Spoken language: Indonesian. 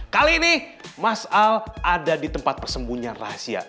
kali ini mas al ada di tempat persembunyian rahasia